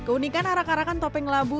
keunikan arak arakan topeng labu